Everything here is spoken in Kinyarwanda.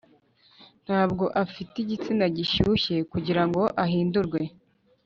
ntabwo afite igitsina gishyushye kugirango ahindurwe -